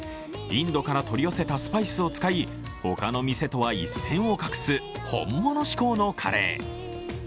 インドから取り寄せたスパイスを使い、他の店とは一線を画す本物志向のカレー。